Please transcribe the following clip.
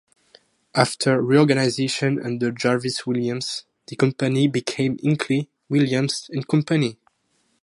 After reorganization under Jarvis Williams, the company became Hinkley, Williams and Company.